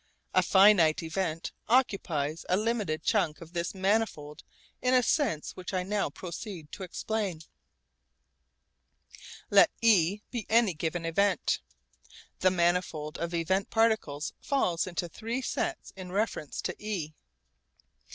A finite event occupies a limited chunk of this manifold in a sense which I now proceed to explain. Let e be any given event. The manifold of event particles falls into three sets in reference to e.